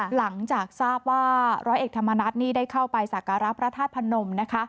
หลังจากทราบว่าร้อยเอกธรรมนัฐนี่ได้เข้าไปสักการะพระธาตุพนมนะคะ